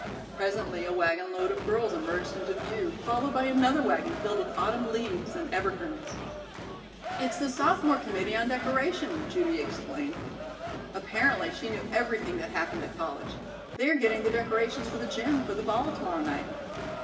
Presently a wagon load of girls emerged into view, followed by another wagon filled with autumn leaves and evergreens. "It's the sophomore committee on decoration," Judy explained. Apparently she knew everything that happened at college. "They are getting the decorations for the gym. for the ball to morrow night."